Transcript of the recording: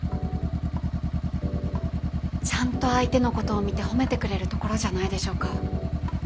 ちゃんと相手のことを見て褒めてくれるところじゃないでしょうか。